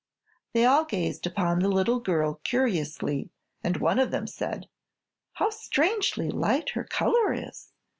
They all gazed upon the little girl curiously, and one of them said: "How strangely light her color is!